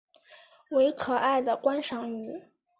为可爱的观赏鱼。